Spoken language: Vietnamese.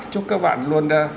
chúc các bạn luôn